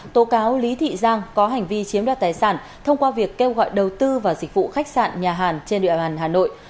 tố cáo lý thị giang có hành vi chiếm đoạt tài sản thông qua việc kêu gọi đầu tư và dịch vụ khách sạn nhà hàn trên đoạn hà nội